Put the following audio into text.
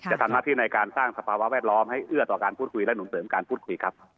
ทำหน้าที่ในการสร้างสภาวะแวดล้อมให้เอื้อต่อการพูดคุยและหนุนเสริมการพูดคุยครับ